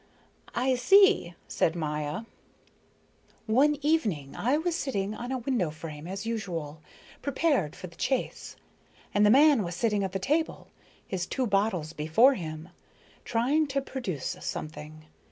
"I see," said Maya. "One evening I was sitting on a window frame as usual, prepared for the chase, and the man was sitting at the table, his two bottles before him, trying to produce something.